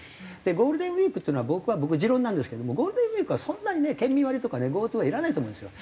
ゴールデンウィークというのは僕は持論なんですけどもゴールデンウィークはそんなにね県民割とかねＧｏＴｏはいらないと思うんですよ。